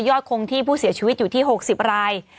คงที่ผู้เสียชีวิตอยู่ที่๖๐ราย